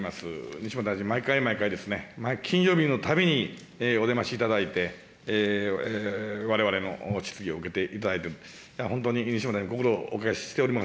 西村大臣、毎回毎回ですね、金曜日のたびにお出ましいただいて、われわれの質疑を受けていただいて、本当にご苦労おかけしております。